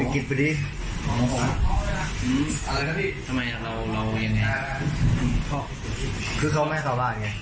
เขาไม่ให้เขาบ้าน